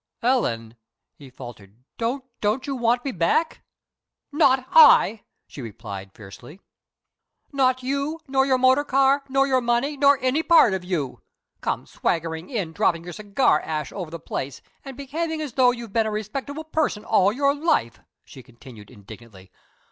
"Ellen," he faltered, "don't you want me back?" "Not I!" she replied, fiercely. "Not you nor your motor car nor your money nor any part of you. Come swaggering in, dropping your cigar ash over the place, and behaving as though you'd been a respectable person all your life!" she continued, indignantly.